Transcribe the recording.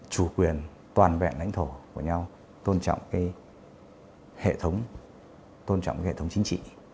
chủ quyền toàn vẹn lãnh thổ của nhau tôn trọng hệ thống tôn trọng hệ thống chính trị